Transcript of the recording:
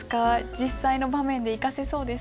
実際の場面で生かせそうですか？